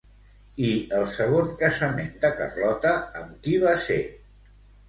I el segon casament de Carlota amb qui va ser?